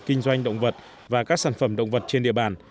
kinh doanh động vật và các sản phẩm động vật trên địa bàn